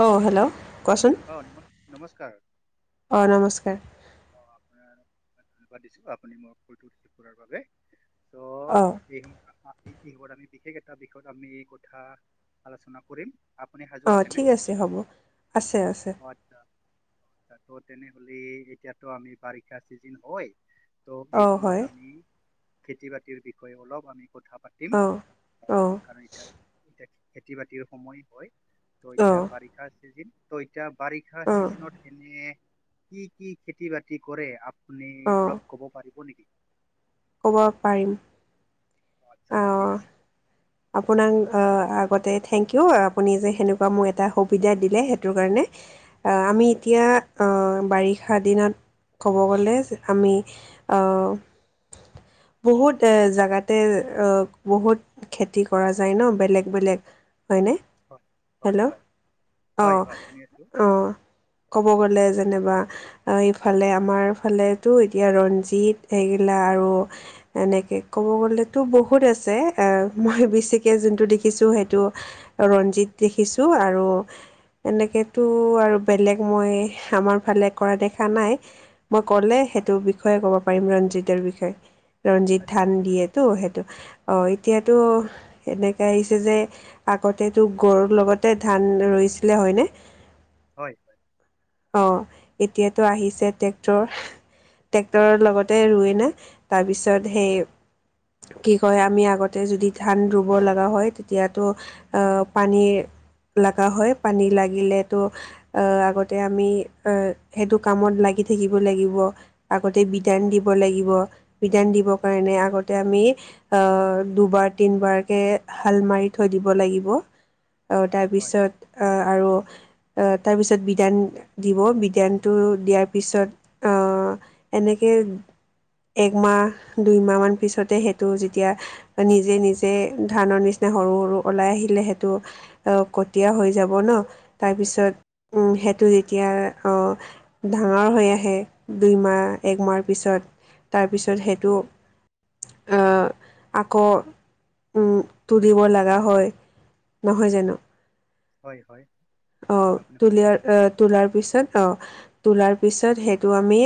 অ hello কোৱাচোন অম নমস্কাৰ অঁ নমস্কাৰ অ আপোনাৰ [unintelligible] দিছো আপুনি [unintelligible] বাবে চ' অঁ [unintelligible] কিহত আমি বিশেষ এটা বিষয়ত আমি এই কথা আলোচনা কৰিম। আপুনি অ ঠিক আছে হ'ব, আছে আছে অঁ আচ্ছা। কথাটো তেনেহলে এতিয়াতো আমি বাৰিষাৰ চিজিন হয় ত এই অঁ সময়ত হয় আমি খেতি-বাতিৰ বিষয়ে অলপ আমি কথা পা পাতিম অঁ অঁ কাৰন এতিয়া এতিয়া খেতি বাতিৰ সময় হয়। ত এতিয়া অঁ বাৰিষা চিজিন, ত বাৰিষা অঁ চিজিনত এনে কি কি খেতি বাতি কৰে আপুনি অঁ অলপ কব পাৰিব নেকি? ক'ব পাৰিম। আচ্ছা অ দে ঠিক আছে আপোনাক আহ আগতে। ত থেংক ইউ আপুনি যে সেনেকুৱা মোক এটা সুবিধা দিলে সেইটো কাৰণে আমি এতিয়া। বাৰিষা দিনত ক'ব গ'লে আমি। বহুত এ জেগাতে। বহুত খেতি কৰা যায় ন বেলেগ বেলেগ। হয়নে হয় হয় হেল্ল' হয় হয় অঁ হয় শুনি আছো অঁ ক'ব গ'লে। যেনিবা এইফালে আমাৰ ফালেতো এতিয়া ৰঞ্জিত এইগিলা আৰু। এনেকে ক'ব গ'লে তো বহুত আছে মই বেছিকে যোনটো দেখিছোঁ সেইটো ৰঞ্জিত দেখিছোঁ। আৰু। এনেকেতো আৰু বেলেগ মই আমাৰ ফালে কৰা দেখা নাই। মই ক'লে হয় সেইটো বিষয়ে ক'ব পাৰিম ৰঞ্জিতৰ বিষয়ে ৰঞ্জিত আচ্ছা ধান ঠিক দিয়ে। আছে তটো সেইটো অ হয় এতিয়াতো এনে। আহিছে যে আগতেতো গৰুৰ লগতে ধান ৰইছিলে হয়নে? হয় হয়। অ এতিয়াতো আহিছে ট্ৰেক্টৰ। ট্ৰেক্টৰৰ লগতে ৰুই নে তাৰপিছত সেই। কি কয় আমি আগতে যদি ধান ৰুব লগা হয় তেতিয়াতো পানীৰ। লগা হয় পানী লাগিলে তো আগতে আমি সেইটো কামত লাগ থাকিব লাগিব আগতে বিধান দিব লাগিব বিধান দিব কাৰণে আগতে। এতিয়া আমি আহ দুবাৰ তিনিবাৰকে হাল মাৰি থৈ দিব লাগিব। হয় তাৰপিছত আৰু। তাৰপিছত বিধান দিব বিধানটো দিয়াৰ পিছত এনেকে। একমাহ দুই মাহ মান। পিছতে সেইটো যেতিয়া নিজে নিজে ধানৰ নিচিনা সৰু-সৰু ওলাই আহিলে সেইটো কটীয়া হৈ যাব ন', তাৰপিছত হয় সেইটো হয় যেতিয়া অ', ডাঙৰ হৈ আহে দুই মাহ, একমাহ পিছত, তাৰপিছত সেইটো আহ, আকৌ উম, তুলিব লগা হয়। নহয় জানো? হয় হয় অ', আপুনি সঁচা তুলিয়াৰ কথা কৈছে আহ, তোলাৰ পিছত আহ তোলাৰ তাৰপিছত সেইটো আমি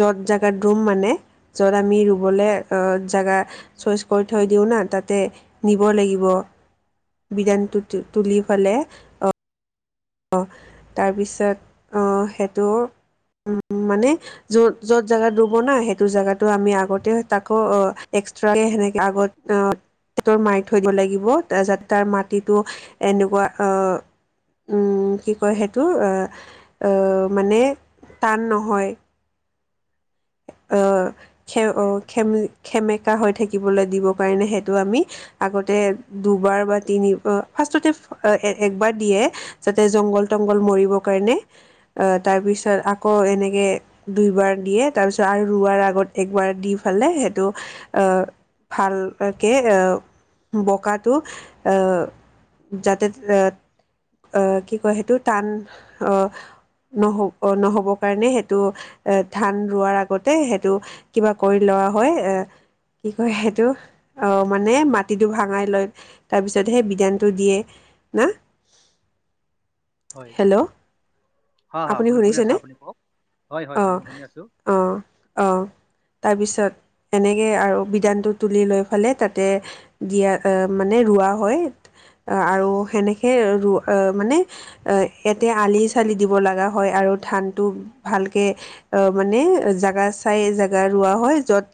য'ত জেগাত ৰুম মানে, য'ত আমি ৰুবলৈ আহ, জেগা চইচ কৰি থৈ দিওঁ না তাতে নিব লাগিব। হয় [unintelligible] তুলি ফালে। অ', তাৰপিছত অ', সেইটো উম, মানে যত-যত জাগা ৰুব না সেইটো জাগাতো আমি আগতে তাকো অ', এক্সট্ৰাকে সেনেকে আগত অ', সেইটো মাৰি থৈ দিব লাগিব তাৰ যাতে তাৰ মাটিটো এনেকুৱা আহ উম, কি কয় সেইটো আহ, মানে টান নহয়। আহ, হয় হয় খে-খেম-খেমেকা হৈ থাক দিবলৈ দিব কাৰণে সেইটো আমি আগতে দুবাৰ বা তিনি ফাৰষ্টতে [unintelligible] দিয়ে যাতে জংগল-তংগল মৰিবৰ কাৰণে আ, তাৰপিছত আকৌ য়ে দুইবাৰ দিয়ে তাৰ পিছত আৰু ৰোৱাৰ আগত একবাৰ দি ফালে সেইটো অ, ভাল কে অ, বকাটো অ, যাতে এ আ, কি কয় সেইটো? টান অ, নহ অ, নহ'বৰ কাৰণে সেইটো এ ধান ৰোৱাৰ আগতে সেইটো কিবা কৰি লোৱা হয় এ কি কয় সেইটো অ, মানে মাটিটো ভাঙাই লয় তাৰপিছত সেই বিধানটো দিয়ে। না [inaudible] হেল্ল'। হয়, হয়, আপুনি শুনি শুনি আছো শুনিছেনে আপুনি কওক হয়, হয়, হয়, অঁ মই শুনি আছো। অঁ অঁ তাৰপিছত এনেকে আৰু বিধানটো তুলি লৈ ফালে তাতে দিয়া অ, মানে ৰোৱা হয় আৰু সেনেকে ৰু মানে এ এতে আলি-চালি দিব লগা হয় আৰু ধানটো ভালকে মানে জাগা চাই জাগা ৰোৱা হয় য'ত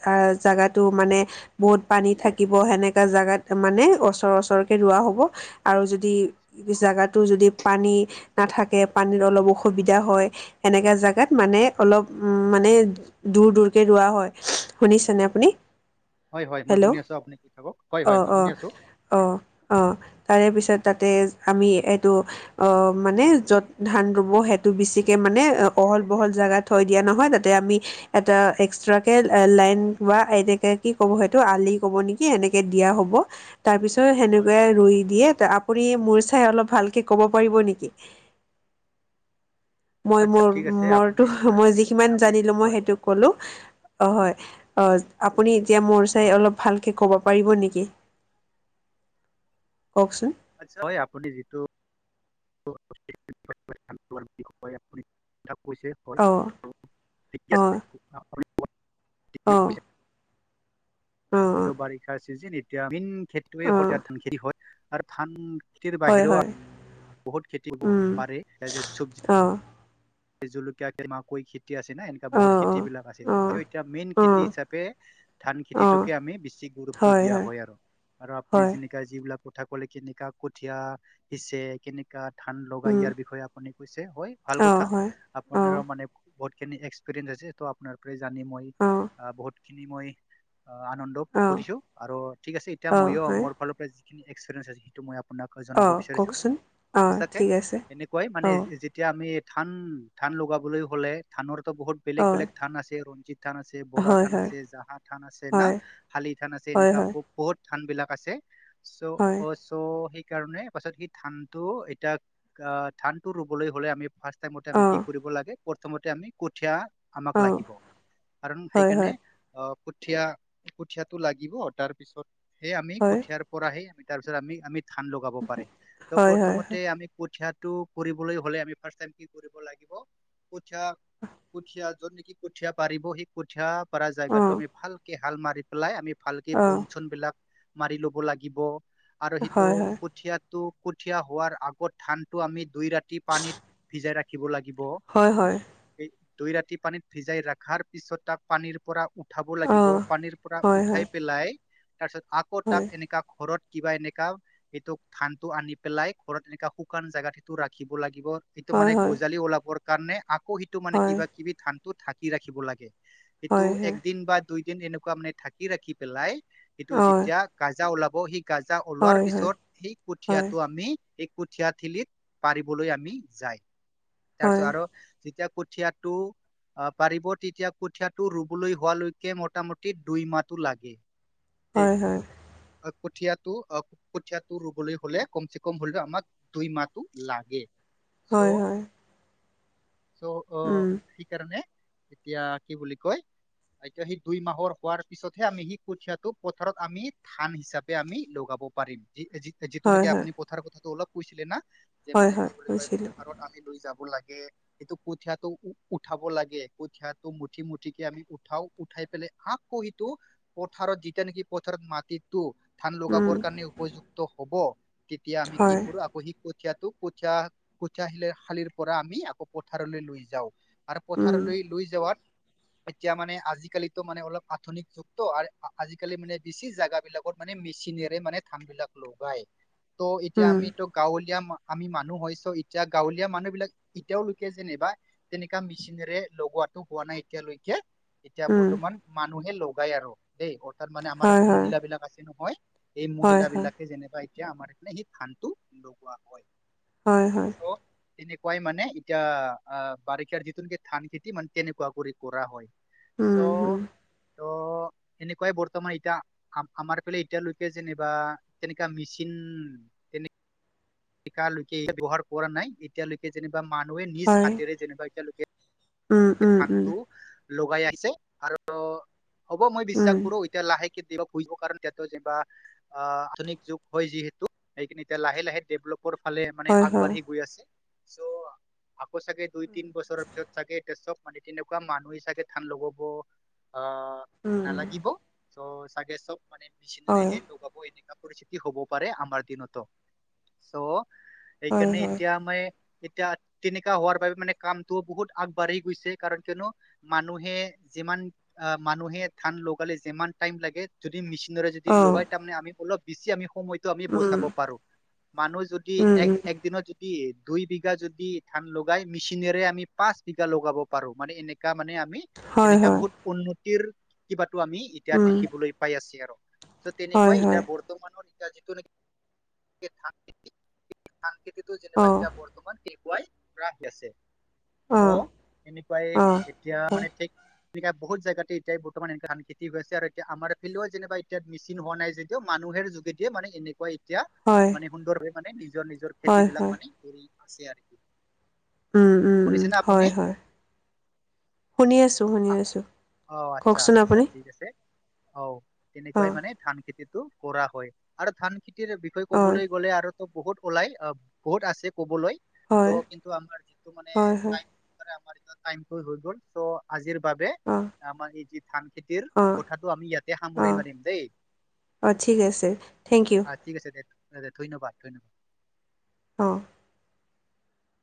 জাগাতো মানে বহুত পানী থাকিব সেনেকা জাগাত মানে অচৰ [unintelligible] ৰুৱা হ'ব আৰু যদি জাগাটো যদি পানী নাথাকে পানী [unintelligible] অসুবিধা হয়, এনেকা জাগাত মানে অলপ উ, মানে দূৰ দূৰকে ৰোৱা হয় শুনিছেনে আপুনি? হয় হয়, মই হেল্ল' শুনি আছো, আপুনি কয় থাকক, হয়, অঁ হয়, মই শুনি অঁ আছো। অঁ অঁ তাৰে পিছত তাতে আমি এইটো অ, মানে য'ত ধান [unintelligible] সেইটো বেছিকে মানে অহল-বহল জাগা থৈ দিয়া নহয়, তাতে আমি এটা এক্সট্ৰাকে লাইন বা এনেকে কি ক'ব সেইটো আলি কব নেকি এনেকে দিয়া হ'ব তাৰ পিছত ত' হয় সেনেকুৱাই ৰুই দিয়ে তা [unintelligible] ৰি মোৰ চাই অলপ ভালকে ক'ব পাৰিব নেকি? মই আচ্ছা মোৰ ঠিক আছে আপুনি মৰটো মই যিখিমান জানিলো মই হয় সেইটো ক'লো। অ, হয় অ, আপুনি এতিয়া মোৰ চাই হয় অলপ ভালকে ক'ব পাৰিব নেকি? কওকচোন। [inaudible] হয়, আপুনি যিটো [inaudible] [unintelligible] কৈছে অ', অ', অ', [unintelligible] টো অ', বাৰিষা চিজিন, এতিয়া মেইন খেতিয়ে হল ইয়াত অ', ধান খেতি হয় আৰু ধান খেতিৰ হয়, বাহিৰেও হয়, [unintelligible] বহুত খেতি [unintelligible] উম, পাৰে যে চবজি অ', জুলকীয়াকে মাকৈ [unintelligible] টি আছে না এনেকুৱা অ', বহুত খেতি অ', বিলাক আছে, তথাপি অ', এতিয়া মেইন খেতি অ', হিচাপে ধান অ', খেতিটোকে আমি বিচি গুৰুত্ব দিয়া হয় আৰু, আৰু আপুনি হয়, যিনিকা যিবিলাক কথা কলে কেনেকা কঠিয়া সিঁচে, কেনেকা ধান লগাই ইয়াৰ উম, বিষয়ে আপুনি কৈছে হয়, ভাল কথা অ', হয়, আপোনাৰ অ', মানে বত খেনি এক্সপিৰিয়েন্ঞ্চ আছে ত' আপোনাৰ পৰাই জানি মই অ', বহুতখিনি মই আনন্দ অ', কৰিছো আৰু ঠিক আছে এতিয়া অ', মইয়ো হয়, মোৰ ফালৰ পৰা যিখি এক্সপ্ৰেৰিয়েনচ আছে, সেইটো মই আ আপোনাক জনাব অ', বিচাৰিছো, কওকচোন? অ', সচাকে ঠিক আছে, এনেকুৱাই মানে অ', যেতিয়া আমি ধান ধান লগাবলৈ হ'লে ধানৰোতো বহুত বেলেগ অ', বেলেগ ধান আছে আৰু থান আছে বৰা হয়, থান হয়, আছে, জাহা থান আছে না, হয়, শালি থান আছে, হয়, এনেকা হয়, বহুত থান বিলাক আছে চ' হয়, অ চ' সে সেইকাৰণে পাছত সি ধান টো এতিয়া আহ, ধান টো ৰুবলৈ হ'লে আমি ফাৰ্চ টাইমতে আমি কি অ', কৰিব লাগে প্ৰথমতে আমি কঠীয়া আমাক অ', লাগিব, কাৰণ হয়, সেইকাৰণে হয়, অহ কঠিয়া, কঠিয়াটো লাগিব, তাৰ পিছত সে আমি হয়, কঠিয়াৰ পৰাহে আমি তাৰ পিছত আমি, আমি ধান লগাব পাৰে, ত' হয়, হয়, প্ৰথমতে হয়, আমি কঠিয়াটো কৰিবলৈ হ'লে আমি ফাৰ্ষ্ট টাইম কি কৰিব লাগিব? কঠীয়া কঠীয়া য'ত নিকি, কঠীয়া পাৰিব সেই কঠীয়া পৰা জেগাটো অ', আমি ভালকে হাল মাৰি পেলাই, আমি ভালকে বন, অ', চন বিলাক মাৰি ল'ব লাগিব। আৰু সিটো হয়, হয়, কঠীয়াটো, কঠীয়া হোৱাৰ আগত ধানটো আমি দুই ৰাতি পানীত ভিজাই ৰাখিব লাগিব। হয়, হয়। এই দুই ৰাতি পানীত ভিজাই ৰা উঠাব অ', হয়, হয়, হয়, কিবা এনেকা এইটো ধানটো আনি পেলাই ওপৰত এনেকা শুকান জেগাত এইটো ৰাখিব লাগিব হয়, সেইটো হয়, মানে হয়, গজালি ওলাবৰ কাৰণে আকৌ সেইটো মানে কিবা, কিবি ধানটো ঢাকি ৰাখিব লাগে। এইটো হয়, হয়, একদিন, বা দুইদিন এনেকুৱা মানে ঢাকি ৰাখি পেলাই সেইটো হয় যেতিয়া গাজা ওলাব সেই গাজা ওলোৱাৰ হয় হয় পিছত সেই হয় কঠীয়াটো আমি কঠীয়া ঠেলিত পাৰিবলৈ আমি যায়, হয় তাৰপিছত আৰু যেতিয়া কঠীয়াটো আ' পাৰিব তেতিয়া কঠীয়াটো ৰুবলৈ হোৱা লৈকে মটামটি দুই মাহটো লাগে হয় হয়। কঠীয়াটো অ কঠীয়াটো ৰুবলৈ হলে কম চে কম হলেও আমাক দুই মাহটো লাগে। চ' হয় হয়। চ' আহ উম সেইকাৰণে এতিয়া কি বুলি কয় এতিয়া সেই দুই মাহৰ হোৱাৰ পিছতহে আমি সি কঠিয়টো পথাৰত আমি ধান হিচাপে আমি লগাব। অ' যিটো হয় নেকি হয় আপুনি পথাৰ কথাটো অলপ কৈছিলে না। যে হয় মানে কি হয় বুলি কয় কৈছিলো। পথাৰত আমি লৈ যাব লাগে সেটো কঠীয়াটো উঠাব লাগে কঠীয়াটো মুঠি মুঠিকে আমি উঠা উঠাই পেলাই আকৌ সেইতো পথাৰত যেতিয়া নেকি পথাৰত মাটি টো ধান উম লগাবৰ কাৰণে উপযুক্ত হব তেতিয়া আমি কি হয় কৰো আকৌ সেই কঠীয়াটো কঠীয়া কঠীয়া শালিৰ পৰা আমি আকৌ পথাৰলৈ লৈ যাওঁ আৰু উম পথাৰলৈ লৈ যাৱ [inaudible] এতিয়া মানে আজিকালিতো মানে অলপ আধুনিক যুক্ত আৰে আজিকালি মানে বেছি জাগা বিলাকত মানে মেচি চিনেৰে মানে ধান বিলাক লগাই ত' এতিয়া উম আমিটো গাঁৱলীয়া আমি মানুহ হৈছ এতিয়া গাঁৱলীয়া মানুহ বিলাক এতিয়ালৈকে যে বা তেনেকা মেচিনেৰে লগোৱাটো হোৱা নাই এতিয়ালৈকে এতিয়া উম বৰ্তমান মানুহে লগাই আৰু দেই অৰ্থাৎ মানে আমাৰ হয় হয় মহিলা বিলাক আছে নহয়। এই হয় হয় মহিলাবিলাকে যেনিবা এতিয়া আমাৰ সে সেই ধানটো লগোৱা হয়। হয় হয়। চ' তেনেকুৱাই মানে এতিয়া বাৰিষাৰ যিটো নতুনকে ধান খেতি মানে তেনেকুৱা কৰি কৰা হয়। উম চ' উম ত এনেকুৱাই বৰ্তমান এতিয়া আমাৰ ফালে এতিয়ালৈকে যেনিবা তেনেকুৱা মেচিন তেনে এটা লৈকে ইয় বেবহাৰ কৰা নাই এতিয়ালৈকে যেনা মানুহে নিজ হয় হাতেৰে যেনিবা এতিয়ালৈ উম উম উম ধানটো লগাই আছে আৰু হ'ব মই বিশ্বাস উম কৰো এতিয়া লাহেক [unintelligible] আধুনিক যুগ হয় যিহেতু সেইখিন এতিয়া লাহে লাহে ডেভেলপ ওপৰ ফালে মানে হয় হয় আগবাঢ়ি গৈ আছে চ' আকৌ চাগে দুই তিন বছৰৰ পিছত চাগে মানে তেনেকুৱা মানুহে চাগে ধান লগাব আ উম নালাগিব। চ চাগে চব মানে হয় মেচিনৰেহে লগাব এদিনত পৰিস্থিতি হব পাৰে আমাৰ দিনতো চ' হয় সেইকাৰণে হয় এতিয়া মে এতিয়া তেনেকা হোৱাৰ বাবে মানে কামটোও বহুত আগ বাঢ়ি গৈছে কাৰণ কিয় নো মানুহে যিমান আ মানুহে ধান লগালে যিমান টাইম লাগে যদি মেচিনৰে যদি অ লগাই তাৰমানে আমি অলপ বেছি আমি সময়টো আমি উম বচাব পাৰো মানুহ যদি উম এক উম এক দিনত দুই বিঘা যদি ধান লগাই মেচিনেৰে আমি পাঁচ লগাব পাৰো মানে এনেকা মানে আমি হয় এনেকা হয় বহুত উন্নতিৰ কিবা টো আমি এতিয়া উম দেখিবলৈ পাই আছ আৰ' ত' হয় তেনেকুৱাই হয় এতিয়া বৰ্তমানৰ [unintelligible] ধান খেতিটো যেনেকুৱা অ এতিয়া বৰ্তমান কে ৱাই ৰাহি আছে। অ চ' এনেকুৱায়ে অ এতিয়া হয় মানে ঠিক এনেকা বহুত জাগাতে এতিয়া বৰ্তমান এনেকা ধান খেতি হৈ আছে আৰু এতিয়া আমাৰ ইফেলেও যেনিবাই এতিয়া মেচিন হোৱা নাই যেদিঅ মানু পুহেৰ যোগেদিয়ে মানে এনেকুৱাই তিয়া হয় মানে সুন্দৰভাৱে মানে নিজৰ নিজৰ হয় খেতি বিলাক হয় মানে কৰি আছে আৰু উম- উম-উম, শুনিছেনে আপুনি? হয়- হয়। শুনি আছো-শুনি আছো অ' আচ্ছা কওকচোন আচ্ছা আপুনি। ঠিক আছে। অ', তেনেকুৱাই অঁ মানে ধান খেতিত তো, কৰা হয়। আৰু ধান খেতিৰ বিষয়ে অঁ ক'বলৈ গ'লে আৰুটো বহুত ওলাই। আব, বহুত আছে ক'বলৈ, হয় ত কিন্তু আমাৰ যিটো মানে [unintelligible] টা-টাইমটো হৈ গল। চ' আজিৰ বাবে অঁ আমাৰ এই যি ধান খেতিৰ অঁ কথাটো আমি ইয়াত দে খামৰিমাৰিম দেই। অ, ঠিক আছে, থেংক ইউ। আহ, ঠিক আছে দে দে, ধন্যবাদ ধন্য অ'।